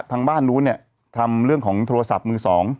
ทางบ้านนู้นเนี่ยทำเรื่องของโทรศัพท์มือสอง